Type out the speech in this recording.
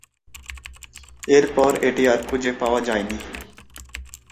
এরপর এটি আর খুঁজে পাওয়া যায়নি।